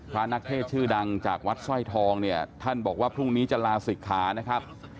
นักเทศชื่อดังจากวัดสร้อยทองเนี่ยท่านบอกว่าพรุ่งนี้จะลาศิกขานะครับ